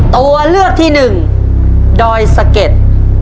ตัวเลือกที่หนึ่งดอยสะเก็ด